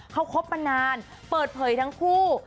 เขาคบมานานเปิดเผยทั้งคู่